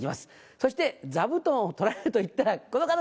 そして座布団を取られるといったらこの方です。